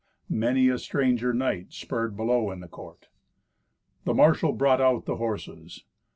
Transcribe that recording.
Ha! many a stranger knight spurred below in the court! The marshal brought out the horses.